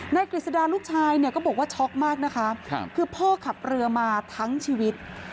กฤษดาลูกชายเนี่ยก็บอกว่าช็อกมากนะคะคือพ่อขับเรือมาทั้งชีวิต